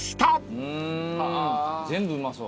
うん全部うまそう。